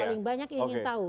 paling banyak ingin tahu